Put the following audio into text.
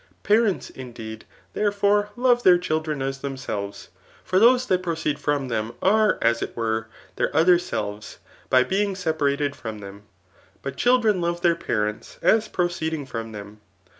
Parents, indeed, therefore, love their children as themselves ; for those that proceed from them are as it were their other selves, by being separated fr'mn them } but childien love then parents, as proceeding from them.